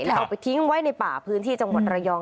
แล้วเอาไปทิ้งไว้ในป่าพื้นที่จังหวัดระยอง